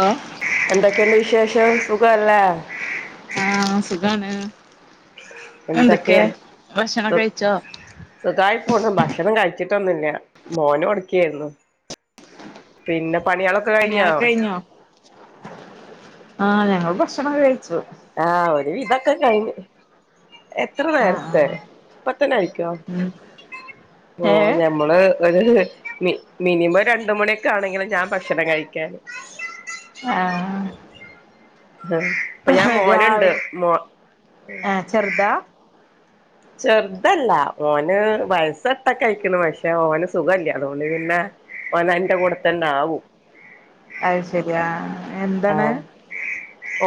ഓ എന്തൊക്കെയുണ്ട് വിശേഷം വിശേഷം സുഖല്ലേ ആഹ് സുഖാണ് എന്തൊക്കെ സു ഭക്ഷണോക്കെ കഴിച്ചോ ട്ടൊന്നുല്ല മോന് കൊടുക്കയായിരുന്നു പിന്നെ പണികളൊക്കെ കഴിഞ്ഞാ പണിയാളൊക്കെ ആ ഞങ്ങൾ ഭക്ഷണം കഴിച്ചു ആ ഒരു വിതൊക്കെ കഴിഞ്ഞു എത്ര ആഹ് നേരത്തെ ആഹ് പത്തനായി ഉം ഓ ഏഹ് ഞമ്മള് ഒരു മി മിനിമം രണ്ട് മണിയൊക്കെ ആണെങ്കിലും ഞാൻ ഭക്ഷണം കഴിക്കാന് ആഹ് ആ അപ്പ ഞാൻ മോനുണ്ട് രാവിലെ മോ ആഹ് ചെറുതാ ചെറുതല്ല ഓന് വയസ്സ എട്ട് ഒക്കെ ആയിക്കണ് പക്ഷെ ഓന് സുഖല്ലേ അതുകൊണ്ട് പിന്നെ ഓന് എന്റെ കൂടെത്തന്നെ ആവും അത് ശരി ആഹ് ആ എന്താണ്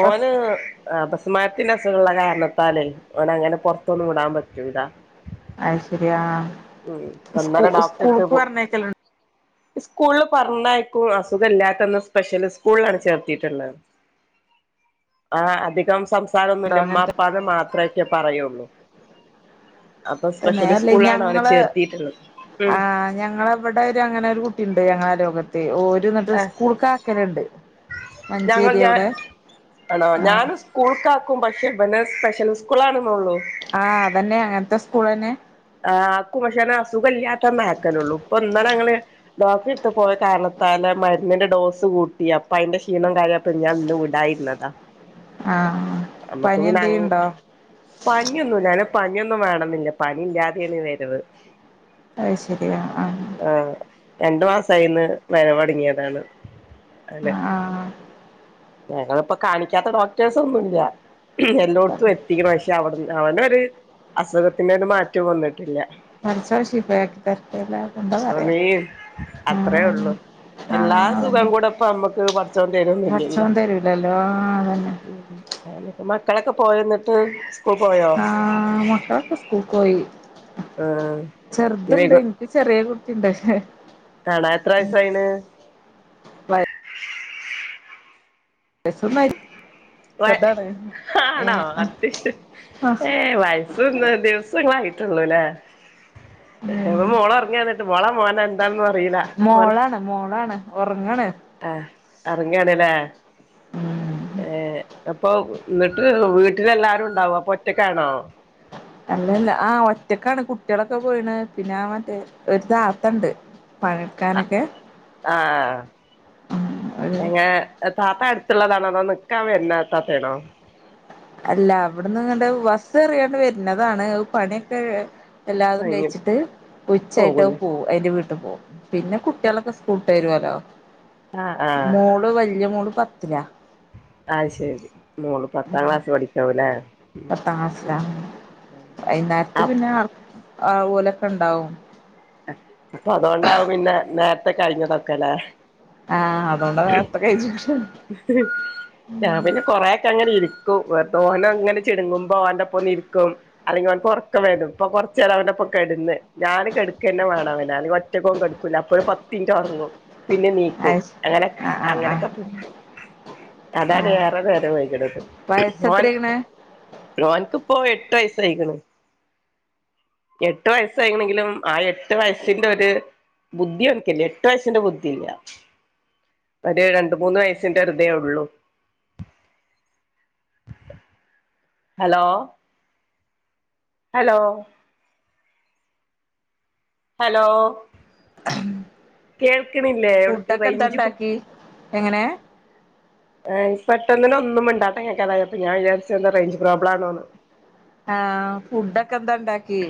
ഓന് അപസ് അപസ്മാരത്തിന്റെ അസുഖമുള്ള കാരണത്താല് ഓനെ അങ്ങനെ പുറത്തൊന്ന് വിടാൻ പറ്റൂലാ അയ് ശരി ആഹ് സ്കൂ ഇന്നലെ ഡോക്ടറെടുത്ത് സ്കൂളക്ക് പോ പറഞ്ഞയക്കല സ്കൂളിൽ പറഞ്ഞയിക്കും അസുഖ ഇല്ലാത്തന്ന സ്പെഷ്യല് സ്കൂളിലാണ് ചേർത്തിട്ടുള്ളത് ആ അധികം സംസാ സംസാരമൊന്നുമില്ല ഉമ്മ അങ്ങനത്തെ ഉപ്പ ന്നു മാത്രമേ ഒക്കെ പറയുള്ളൂ അപ്പൊ സ്പെഷ്യലി സ്കൂളാണ് ഓൻ ആ ഞങ്ങളവിടെ അങ്ങനെ ഒരു കുട്ടിയുണ്ട് ഞങ്ങള അയലോകത്ത് ഓട്ടിസം ഞങ്ങൾ മഞ്ചേരി ഞാൻ അവിടെ ആണോ ആഹ് ഞാൻ സ്കൂൾക്കാക്കും പക്ഷെ ഇവന് സ്പെഷ്യൽ സ്കൂളാണ് ആ അതന്നെ അങ്ങനത്തെ കുളനെ ആ ആക്കും പക്ഷേനെ അസുഖ ഇല്ലാത്തന്ന ആക്കാനള്ളൂ ഇപ്പൊ ഇന്നാ ഞങ്ങള് ഡോക്ടറെ എടുത്ത് പോയ കാരണത്താലെ മരുന്നിന്റെ ഡോസ് കൂട്ടി അപ്പ അതിന്റെ ക്ഷീണം കഴിയപ്പ ഞാൻ ഇന്ന് വിടായിരുന്നതാ ആഹ് നമ്മക്ക് പനി പിന്നെ അങ്ങ് എന്തേലുണ്ടോ പനിയൊന്നും ഞാന് പനിയൊന്നും വേണമില്ല പനി ഇല്ലാതെ ക്കോ വരവ് അയ് ശരി ആ ആ ആ ആഹ് രണ്ടു മാസമായിന്ന് വരവ് തുടങ്ങിയതാണ് അതെ ആഹ് ആഹ് ഞങ്ങളിപ്പോ കാണിക്കാത്ത ഡോക്ടേഴസ് ഒന്നുമില്ല എല്ലേടുത്തും എത്തിക്കണം പക്ഷെ അവടു അവനൊരു അസുഖത്തിന്റെ ഒരു മാറ്റം വന്നിട്ട് ഇല്ല പടച്ചോൻ ശിഫയാക്കി തരട്ടെ എല്ലാർക്കും എന്താ പറയാ ആമീൻ അത്രയേ ആഹ് ഉള്ളൂ എല്ലാ ആഹ് സുഖം അതന്നെ കൂടെ അപ്പം നമുക്ക് പടച പടച്ചോൻ തരിന്ന് ല്ലെങ്കിലോ തരലല്ലോ അതന്നെ അനക്ക് മക്കളൊക്കെ പോയോ എന്നിട്ട് സ്കൂൾ ആ മക്കളൊക്കെ സ്കൂൾക്ക് പോയി ആഹ് ചെറുതുണ്ട് എനിക്ക് ചെറിയ ചെറിയ കുട്ടിയുണ്ട് പക്ഷേ കാണാ എത്രാവയസായിന് വയസ്സു ഒന്നായി വ ആണോ അത് ശരി ഏ ആഹ് വയസുന്ന് ദിവസളായി ട്ടുള്ളൂല്ലേ ഏ ഉം മോള് ഓർക്ക ഓറക്കിയോ ഇങ്ങട്ട് മോളോ മോനോ എന്താന്ന് പറ മോളാണ് മോളാണ് ഒറങ്ങണ് ആ ഒറങ്ങാണല്ലേ ഉം ഏ അപ്പൊ എന്നിട്ട് വീട്ടിലെല്ലാരും ഉണ്ടാവ അപ്പൊ ഒറ്റക്കാണോ അല്ലല്ല ആ ഒറ്റക്കാണ് കുട്ടികളൊക്കെ പോയിണ് പിന്നെ മറ്റേ ഒരു താത്തണ്ട് പണിയെടുക്കാനൊക്കെ ആ ഒരു എങ്ങനെ താത്ത അടുത്തുള്ളതാണ അതോ നിക്കാൻ വരുന്നത്താത്തേണോ അല്ല അവിടന്ന് ഇങ്ങ ബസ് എറിയാണ്ട് വരുന്നതാണ് പണിയൊക്കെ എല്ലാതും കഴിഞ്ഞ് കഴിച്ചിട്ട് ഉച്ചായിട്ട് പോകൂലേ പോകും അതിന്റെ വീട്ട പോ പിന്നെ കുട്ടികളൊക്കെ സ്കൂളട്ട് വരുവല്ലോ ആഹ് ആഹ് മോള് വലിയ മോള് പത്തിലാ അത് ശെരി മോള് പത്താം ക്ലാസ് പഠി എവടെ പത്താം ക്ലാസിലാ വൈന്നേരത്ത് പിന്നെ അപ്പൊ ആവോലെക്കെ ഇണ്ടാവും അപ്പൊ അതുകൊണ്ടാവും പിന്നെ നേരത്തെ കഴിഞ്ഞതൊക്കെല്ലേ ആഹ് അതുകൊണ്ടാ നേരത്തെ കഴിച്ചിട്ട് ഞാൻ പിന്നെ കൊറെയക്കെ അങ്ങനെ ഇരിക്കും വെർതോനൊന്ന് അങ്ങനെ ചിണുങ്ങുമ്പോ ഔന്റെപ്പൊ ഒന്നിരിക്കും അല്ലെങ്കിൽ ഓൻക്ക് ഒറക്കം വെരും ഇപ്പൊ കൊറച്ച് നേരം അവന്റെപ്പം കെടന്ന് ഞാൻ കെട് ക്കെന്നെവേണം അവന് അല്ലെങ്കിൽ ഒറ്റക്ക് ഓൻ കെടക്കൂല അപ്പൊഴ് പത്ത് മിനിറ്റ് ഒറങ്ങും പിന്നെ ആ നീക്കും അങ്ങനെ ആ ആ അങ്ങനെക്കെ ആ അതാണ് ഏറെ നേരം വൈകണത് ഓൻ വയസ്സെത്രയാക്കണ് ഓൻക്ക് ഇപ്പോ എട്ട് വയസ്സായിക്ക്ണ് എട്ട് വയസ്സായിക്കിണെങ്കിലും ആ എട്ടു വയസിന്റെ ഒരു ബുദ്ധി ഓന്ക്കില്ല എട്ടു വയസിന്റെ ബുദ്ധിയില്ല ഒരു രണ്ട് മൂന്ന് വയസിന്റെ ഹൃദയൊള്ളു ഹലോ ഹലോ ഹലോ കേൾക്ക്ണില്ലേ ഇവടക്ക് ഫുഡൊക്കെ എന്താ റേഞ്ച് പോ ഉണ്ടാക്കി എങ്ങനെ പെട്ട്ന്ന്ന്നെ ഒന്നും മിണ്ടാട്ടം കേക്കാതായപ്പോ ഞാൻ വിജാരിച്ച് എന്താ റേഞ്ച് പ്രോബ്ലം ആണോന്ന് ആ ഫുഡ ക്കന്താ ഇണ്ടാക്കിയെ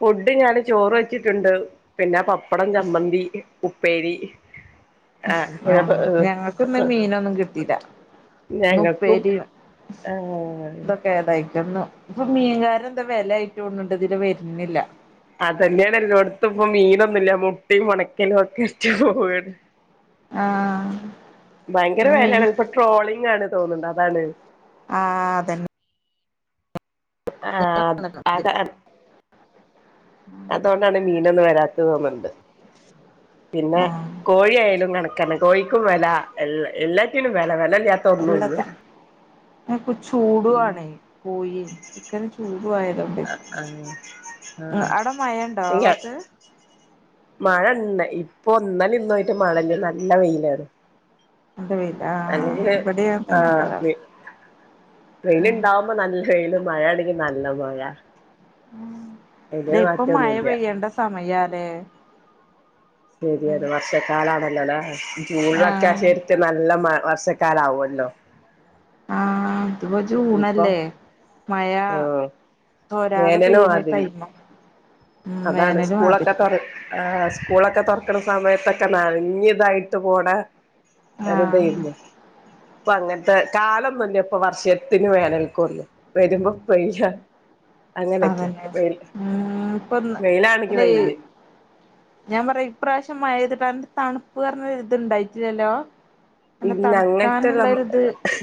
ഫുഡ് ഞാൻ ചോറ് വെച്ച്ട്ടുണ്ട് പിന്നെ പപ്പ് പ്പടം ചമ്മന്തി ഉപ്പേരി ആ ഞങ്ങക്കിന്ന് ആഹ് മീനൊന്നും കിട്ടില്ല ഇന്ന് ഞങ്ങൾക്കും ഉപ്പേരിയും ഏഹ് തൊക്കെ [unintelligible] എന്നും പ്പം മീൻക്കാരൻ ന്ത വെല ആയിട്ട തോന്ന്ണ്ട് വെര്ണില്ല അതെന്നെണ് എല്ലോട്ത്തും പ്പം മീനൊന്നുല്ല മുട്ടയും ഒണക്കലും ഒക്കെ ആയിട്ട് പോവാണ് ആ ഭയങ്കര വെലേണ് ഇപ്പൊ ട്രോളിംഗ ആണ് തോന്നണ്ട് അതാണ് ആ അതെന്നെ ആ അത് അ അതോണ്ടാണ് മീനൊന്നും വരാത്തത്തോന്നണ്ട് പിന്നെ ആഹ് കോഴിയയാലും കണക്കെന്നേ കോഴിക്കും വെല എല്ല എല്ലാറ്റും വെല വെലല്യ ഇവടക്കെ ഇപ്പൊ ചൂടുവാണ് കോഴിയും ചിക്കന് ചൂട് പ്പുവായതോണ്ട് ആഹ് ഉം ആഹ് അവടെ മയണ്ടോ ആ ഭാത്ത് മഴണ്ട് ഇപ്പൊ ന്നല്ലേംഇന്നുവായിട്ട് മഴഞ്ഞ് നല്ല വെയിലാണ് നല്ല വെയിലാ ആഹ് അല്ലെങ്കില് ഇവിടെയും അങ്ങനെ ആ തന്നെ കാലാവസ്ഥ വെയിൽ ഉണ്ടാവുമ്പോ നല്ല വെയില് മഴയാണെങ്കിൽ നല്ല മഴ ല്ലെ അയ്ന് ഇപ്പൊ മഴ മാറ്റൊന്നുല്ല പെയ്യേണ്ട സമയ ലെ ശരിയത് വർഷക്കാലണ ലാ ലെ ജൂണിലൊക്കെ ആ ആഹ് ശരിത്ത് നല്ല [unintelligible] ക്കാലം ആവുമല്ലോ ആ ഇപ്പൊ ജൂണല്ലേ മയ ആഹ് തൊരാതെ വേനല് പെയ്യുന്ന മാതിരി ടൈമ ഉം അതാണ് വേനല് സ്കൂളൊക്കെ മാതിരി തുറ സ്കൂളൊക്കെ തുറക്കണ സമയത്തൊക് നനഞ്ഞു ഇതായിട്ട് പോണ ആഹ് [unintelligible] ഇപ്പ അങ്ങനത്തെ കാലം ഓന്നുല ഇപ്പൊ വർഷത്തിന് വേനൽക്കള്ളൂ വരുമ്പോ പയ്യ അതന്നെ ഉം വെയിലാണെങ്കി വെയില് [unintelligible] ഞാൻ പറയാ ഈ പ്രശം മഴ പെയ്തികാണ്ട് അന്റെ തണുപ്പ് പറഞ്ഞ ഇതുണ്ടായിട്ടില്ലല്ലോ ഇല്ല അങ്ങനത്തെുള്ള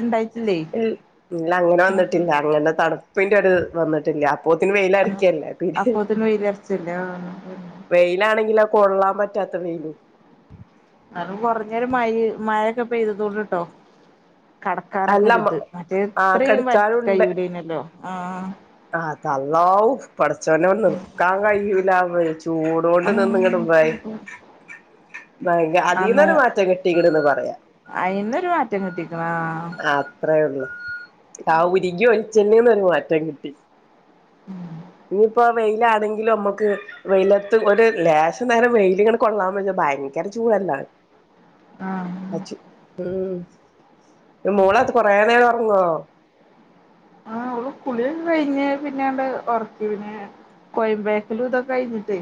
ഇണ്ടായിട്ടില്ലേ ഇല്ല അങ്ങനെ ആഹ് വന്നിട്ടില്ല അങ്ങന തണു പ്പിൻ്റെ ഒരു വന്നിട്ടില്ല പോത്തിന് വെയിൽ ആഹ് അറിക്കല്ല പിന്നെ അപ്പോത്തിന് വെയിലറച്ചല്ലേ ആഹ് വെയിലാണെങ്കില കൊള്ളാൻ പറ്റാത്ത വെയിലും ഇന്നാലും കുറഞ്ഞര മഴ മഴൊക്കെ പെയ്തതൊണ്ട് ട്ടോ കടക്കാനൊക്കെ അല്ല മ ഒരുത് മറ്റേ ആഹ് ഇത്രയും കയ്യൂലെനി അല്ലോ ആ ആ ത അവും [unintelligible] പഠച്ചോനെ ഒ നിർക്കാൻ കഴിയുല [unintelligible] ചൂടൊണ്ട് നിന്ന ആഹ് ഇങ്ങടും വെ ശരി ഭ അതി ആന്നോ ന്നരു മാറ്റം കിട്ടിടന്ന് പറയാ അയിന്നൊരു മാറ്റം കിട്ടിക്കണ് അത്രേ ഉള്ളൂ ആ ഉരികി ഒലി ജീനോര് മാറ്റം കിട്ടി ഉം ഇനിയിപ്പോ വെയിലാണെങ്കിലും നമ്മുക്ക് വെയിലത്ത് ഒരു ലേശം നേരം വെയിൽ ഇങ്ങനെ കൊള്ളാൻ വെച്ചാ ഭയങ്കര ചൂടല്ല ആഹ് അച്ച് ഉം മോളാത് കുറെ നേരം നടന്നോ ആഹ് ഓള് കുളിയെല്ലാം കഴിഞ്ഞേ പിന്നെ ങ്ങോട്ട്‌ ഉറക്കി പിന്നെ കോയമ്പേക്കലും ഇതൊക്കെ കഴിഞ്ഞിട്ടേ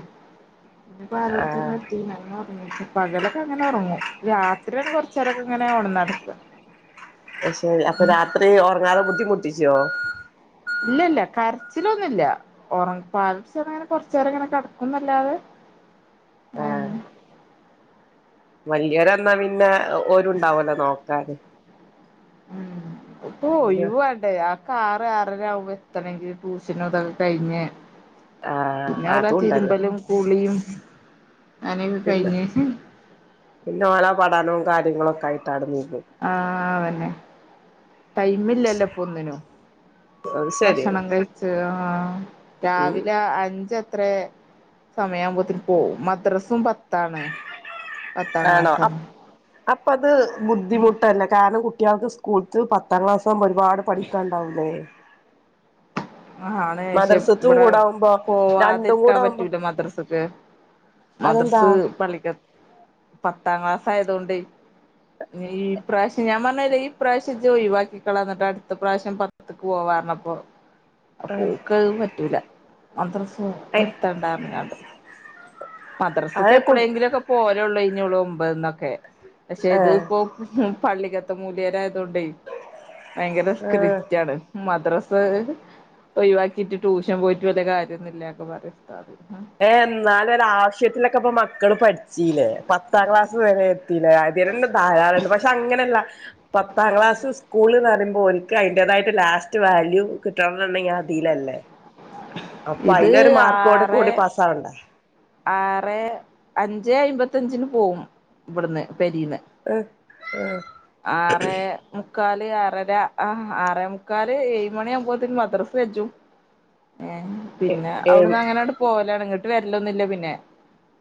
ഇന്നപ്പോ ആരോടുത്തും ആഹ് കളിക്കില്ല കിടന്ന് ഉറങ്ങി പകലൊക്കെ അങ്ങനെ ഉറങ്ങും രാത്രിയാണ് കൊറച്ച് നേരൊക്കെ ഇങ്ങനെ ഉണന്ന് കിടക്കുക ശരി അപ്പൊ രാത്രി ഉറങ്ങാതെ ബുദ്ധിമുട്ടി റ്റിച്ചോ ഇല്ല ഇല്ല കരച്ചിലൊന്നുമില്ല [unintelligible] കൊറച്ച് നേരം ഇങ്ങനെ കെടക്കുമെന്ന് അല്ലാതെ വലിയൊരനെ എന്നാ പിന്നെ ഒര് ഉണ്ടാവല്ലോ നോക്കാൻ അന്നോ വല്യ [unintelligible] കാറ് ആറരാക്കുമ്പോൾ എത്തണമെങ്കില് ട്യൂഷനും അതൊക്കെ കഴിഞ്ഞ് ആഹ് പിന്നെ അവരടെ അതുണ്ടല്ലോ തിരുമ്പലും കുളിയും അങ്ങനെയൊക്കെ പിന്നെ കഴിഞ്ഞ് പിന്നെ ഓളെ പടാനും കാര് കാര്ങ്ങളൊക്ക്യാ ആയിട്ട അട്ന്നി ആതന്നെ ടൈമില്ലല്ലോപ്പൊന്നിനു അത് ശരിയാണ് ഭക്ഷണം കഴിച്ച് ആഹ് ഉം രാവിലെ അഞ്ച അത്രേ സമയാഉമ്പോത്ത്ന് പോവും മദ്രസും പത്താണ് പത്താം ആണോ ക്ലാസം അപ് അപ്പ അത് ബുദ്ധിമുട്ടന്നെ കാര്ണം കുട്ട കുട്ട്യേൾക്ക് സ്കൂൾറ്റു പത്താം ക്ലാസ് ഇപ്പം ഒരുപാട് പഠിക്കാണ്ടാവുലേ ആണ് ക്ഷെ മദ്രസത്തും ഇവടെ കൂടാവുമ്പോ രണ്ടും പോവാതിരിക്കാ കൂടെ ആവുമ്പോ പറ്റൂല മദ്രസ്ക്ക് അതെന്താ മദ്രസ് പള്ളിക്കെത് പത്താം ക്ലാസ് പ്പായതോണ്ടെ ഈ പ്രാശ്യം ഞാ പറ്ന്നില്ലേ ഈ പ്രാവശ്യം ഇജോയിവാക്കിക്കളന്നട്ട അട്ത്ത പ്രാവശ്യം പത്ത്ക്ക് പോവാറ്ഞ്ഞപ്പോ ആഹ് അപോക്കഹ് പറ്റൂല മദ്രസ് നിർത്തണ്ടാറ് ന്ന്ക്കാണ്ട്‌ മദ്രസ്ക്ക് അത് കു എപ്പളെങ്കിലൊക്കെ പോഹലൊളൈനൊള്ളും ബെന്നൊക്കെ പക്ഷെ ഇത് ഏഹ് പോം പള്ളിക്കാത്ത് [unintelligible] ത്തൊണ്ടേ ഭയങ്കര ആഹ് [unintelligible] മദ്രസ് ഒഴിവാക്കിട്ട് ട്യൂഷൻ പോയിട്ട് വല്ല കാര്യൊന്നുല്ല ന്നൊക്കെ പറയും ഉസ്താദ് ഏ എന്നാല് ഒര് ആവശ്യത്തിലൊക്കെ ഇപ്പ മക്കള് പഠിച്ചീല്ലേ പത്താം ക്ലാസ്സ് വരെ എത്തിലെ അതിന്നെ ധാരാളംണ്ട് പക്ഷേ അങ്ങനെയല്ല പത്താം ക്ലാസ്സ് സ്കൂള്ന്ന് പറയുമ്പോ ഓൽക്ക് അയ്ന്റേതായിട്ട് ലാസ്റ്റ് വാല്യൂ കിട്ടണംന്നുണ്ടെങ്കി അതിലല്ലേ അപ്പൊ ഇത് അയിലൊരു മാർക്കോട് ആറെ കൂടി പാസ്സാവണ്ടേ ആറെ അഞ്ചെ അയ്മ്പത്തി മ്പത്തഞ്ചിന് പോകും ഇവിടന്ന് പെരീന്ന് ഇഹ് ഹാ ആറെ മും മുക്കാല് ആറര ആ ആറെ മുക്കാല് ഏഴ് മണി ആകുമ്പോത്തന് മദ്രസ് കജ്ജും ഏ പിന്നെ ഏഹ് അവിടന്ന് അങ്ങനെ ആണ്ട് പോവലാണ് ഇങ്ങട്ട് ഇങ്ങ് വരല്ലൊന്നില്ല പിന്നെ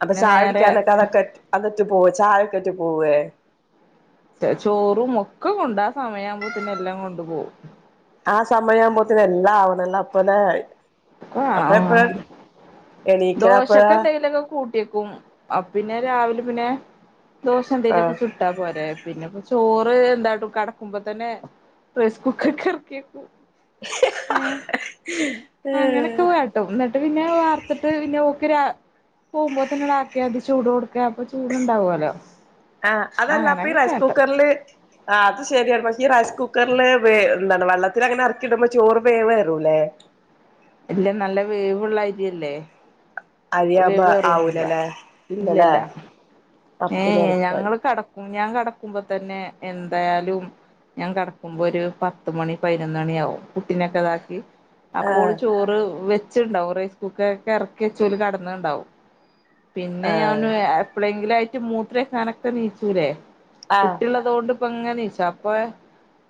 അപ്പൊ പിന്നെ ചായ നേരെ കുടിക്കാനൊക്കെ അതൊക്കെ അതൊട്ട് പോവെ ചായ ഒക്കെറ്റ് പോവേ [unintelligible] ചോറും ഒക്കെ കൊണ്ടാ സമയ ആവുമ്പോത്തിന് എല്ലാം കൊണ്ടു പോകും ആ സമയം ആവുമ്പോത്തിന് എല്ലാ ആവണല്ലോ അപ്പൊലെ ആ ആ എണീക്കലപ്പഴാ ദോശക്കെന്തേലൊക്കെ കൂട്ട് ട്ടിക്കും അ പിന്നെ രാവിലെ പിന്നെ ദോശ എന്തെലൊക്കെ ആഹ് ചുട്ടാ പോരെ പിന്നെപ്പൊ സ് ചോറ് എന്താട്ടും കടക്കുമ്പോ തന്നെ റൈസ്കുക്കർക്ക് എറക്കിക്കും [unintelligible] അങ്ങനൊക്കെ വാട്ടും എന്നിട്ട് പിന്നെ വാർത്തിട്ട് പിന്നെ ഓക്ക് രാവ് പോവുംപോത്തിന് ആക്കിയാ മതി ചൂടോട് ആ അതല്ലപ്പ അങ്ങനൊക്കെ റൈസ് കാട്ടും കുക്കറില് അത് ശരിയാണ് പക്ഷേ ഈ റൈസ് കുക്കറില് വേ എന്താണ് വെള്ളത്തി അങ്ങനെ എറക്കി ഇടുമ്പോ ചോറ് വേവ് ഏറൂലേ ഇല്ല നല്ല വേവുള്ള അരിയല്ലേ അരിയാ വുമ്പോ വേവേറൊന്നുല്ല ആവൂലല്ലേ ഇല്ലല്ലേ ഇല്ലല്ല അപ്പൊ ഏ പിന്നെ എളുപ്പായ് ഞങ്ങള് കടക്കും ഞാൻ കടക്കുമ്പോ തന്നെ എന്തായാലും ഞാൻ കടക്കുമ്പോ ഒരു പത്ത് മണി പതിനൊന്ന് മണിയാകും കുട്ടിനൊക്കെ ഇതാക്കി അപ്പോ ഓൾ ആഹ് ചോറ് വെ ച്ച്ണ്ടാവും റൈസ് കുക്കറ്ക്ക് എറക്കിച്ച് ഓല് കട ന്നുണ്ടാവും പിന്നെ ഞാൻ ആഹ് എപ്പളേങ്കിലും ആയിട്ട് റ്റ മൂത്രൊയിച്ചാനൊക്കെ നീച്ചൂല്ലേ ആഹ് കുട്ടിയുള്ള്ത് കൊണ്ട് ഇപ്പ ങ്ങനെ നീച്ചാ അപ്പ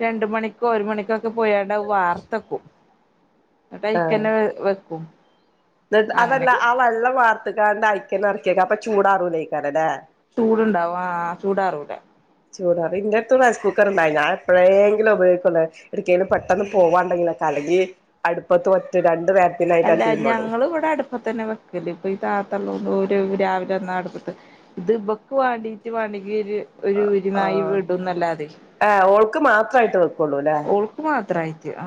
രണ്ട് മണിക്കോ ഒരു മണിക്കോക്കെ പോയാണ്ടെ വാർത്തെക്കും ആഹ് ന്നിട്ടയ്ക്കന്നെ വെക്കും അതല്ല അങ്ങനെയൊക്കെ ആ വള്ള വാർ അത്തകാണ്ട് അയക്ക എറക്കി അപ്പൊ ചൂടാറൂലക്കാനല്ലേ ചൂടുണ്ടാവും ആ ചൂടാറൂല ചൂടാറി ഇൻറ്റെടുത്തും റൈസ് കുക്കർ ഉണ്ടായി ഞാൻ എപ്പോഴെങ്കിലും ഉപയോഗിക്കുള്ളെ എടക്കെലും പെട്ടെന്ന് പോവാണ്ടെങ്കിലൊക്കെ അല്ലങ്കി അടുപ്പത്ത് ഒറ്റ രണ്ട് നേ അല്ല ഞങ്ങള് ഇവിടെ അടുപ്പ തന്നെ വെക്കല് ഇപ്പൊ ഈ താത്തള്ളോ ഒ രു രാവിലെന്നാ അടുപ്പത്ത് ഇത് ഇബക്ക് വേണ്ടീട്ട് വേണ്ടങ്കി ഒര് അഹ് ആഹ് ഏഹ് ഓൾക്ക് മാത്രയിട്ട് വെക്കൂള്ളൂല്ലേ [unintelligible] ആ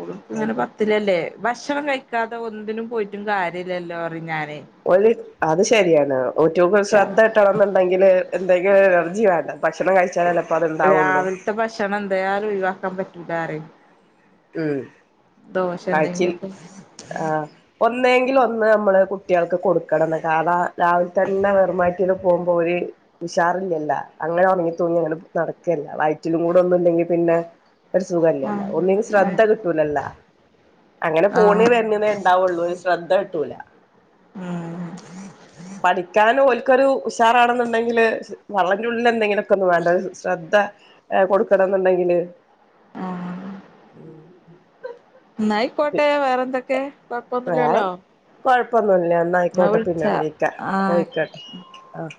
ഓള് ഇപ്പ തന്നെ ആയിക്കോ പത്തിലല്ലേ ബഷണം കഴിക്കാതെ ഒന്നിനും പോയിട്ടും കാര്യമില്ലല്ലോ പറയും ഞാൻ ഓല് അത് ശെരിയാണ് ഒറ്റുക് ശ്രദ്ധകിട്ടണന്ന്ണ്ടെങ്കില് എന്തെങ്കിലും എനർജി വേണ്ടേ ഭക്ഷണം കഴിച്ചാലല്ലപ്പ അത്ണ്ടാവുള്ളൂ രാവിലത്തെ ഭക്ഷണം എന്തായാലും ഒഴിവാക്കാൻ പറ്റു ല്ലാറേം മ്മ് കാഴ്ചിൽ എന്തെങ്കിലുമൊക്കെ ആഹ് ഒന്നെങ്കിൽ ഒന്ന് നമ്മള് കു കുട്ട്യാകൾക്ക് കൊടുക്കണംന്ന് കാരണാ രാവിലെ തന്നെ വെറുംവയറ്റിൽ പോകുമ്പോ ഒരു ഉഷാറില്ലല്ല അങ്ങനെ ഉണങ്ങി തൂങ്ങി അങ്ങനെ നടക്കല്ല വയറ്റിലും കൂടെ ഒന്നുംണ്ടെങ്കി പിന്നെ ഒരു സുഖല്ലല്ല ഒന്നേ ശ്രദ്ധ ആഹ് കിട്ടൂലല്ല അങ്ങനെ ഫോണി ആഹ് വരുന്നതേ ഉണ്ടാവുള്ളൂ ശ്രദ്ധ കിട്ടൂല ഉം പഠിക്കാനും ഓല്ക്കൊരു ഉഷാറാണെന്നുണ്ടെങ്കില് വള്ളന്റെ ഉള്ളിഎന്തെങ്കിലുവൊക്കെ ഒന്നും വേണ്ട ശ്രദ്ധ ഏഹ് കൊടുക്കണം എന്നുണ്ടെങ്കില് ആഹ് ഉം ന്നായികോട്ടെ വേറെ എന്തൊക്കെ കുഴപ്പോന്നില്ലാല്ലോ നല്ലാന്നായിക്കോട്ടെ പിന്നെ വിളിക്കാ ആഹ് ഓയിക്കോട്ടെ ആഹ്